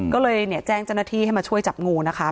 ก็เลยแจ้งเจ้าหน้าที่ให้มาช่วยจับงูนะคะ